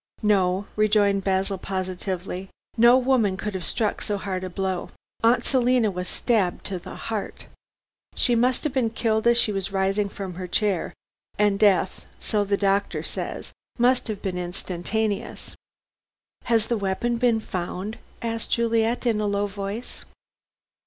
"No," rejoined Basil positively, "no woman could have struck so hard a blow. Aunt Selina was stabbed to the heart. She must have been killed as she was rising from her chair, and death, so the doctor says, must have been instantaneous." "Has the weapon been found?" asked Juliet in a low voice.